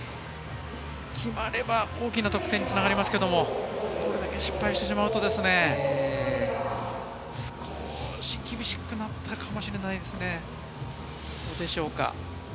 決まれば大きな得点につながりますけれども、失敗してしまうと、少し厳しくなったかもしれませんね。